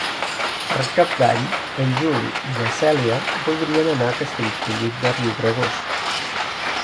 Per Cap d'Any en Juli i na Cèlia voldrien anar a Castellfollit de Riubregós.